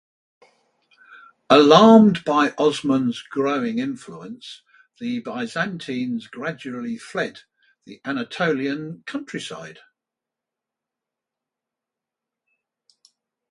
Alarmed by Osman's growing influence, the Byzantines gradually fled the Anatolian countryside.